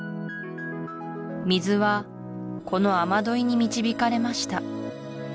水はこの雨どいに導かれました